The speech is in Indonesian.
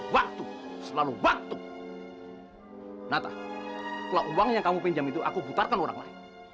waktu selalu waktu nata kalau uang yang kamu pinjam itu aku bubarkan orang lain